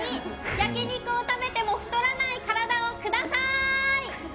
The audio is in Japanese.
焼き肉を食べても太らない体をくださーい！